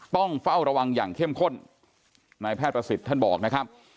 ต้องเฝ้าระวังอย่างเข้มข้นนายแพทย์ประสิทธิ์ท่านบอกนะครับ